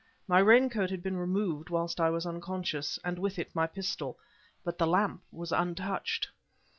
My raincoat had been removed whilst I was unconscious, and with it my pistol, but the lamp was untouched.